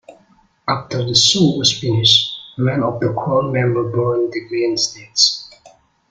After the show was finished, remnants of the crowd members burned the main stage.